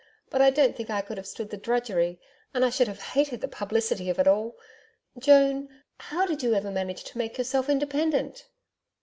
But I don't think I could have stood the drudgery and I should have hated the publicity of it all.... Joan, how did you ever manage to make yourself independent?'